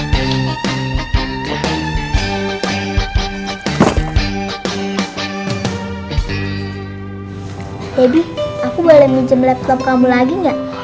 hebi aku boleh minjem laptop kamu lagi gak